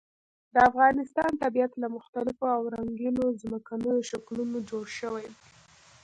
د افغانستان طبیعت له مختلفو او رنګینو ځمکنیو شکلونو جوړ شوی دی.